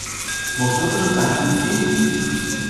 ¿Vosotros partisteis?